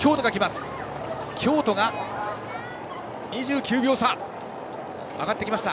京都、２９秒差と上がってきました。